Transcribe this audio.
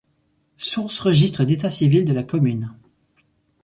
Sources registre d'état-civil de la commune.